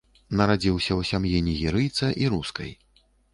Нарадзіўся ў сям'і нігерыйца і рускай.